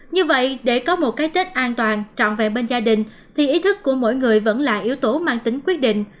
như vậy để có một cái tết an toàn trọn vẹn bên gia đình thì ý thức của mỗi người vẫn là yếu tố mang tính quyết định